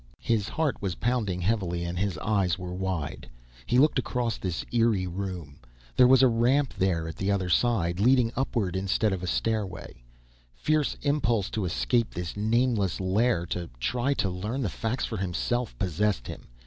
His heart was pounding heavily, and his eyes were wide. He looked across this eerie room. There was a ramp there at the other side, leading upward instead of a stairway. Fierce impulse to escape this nameless lair, to try to learn the facts for himself, possessed him.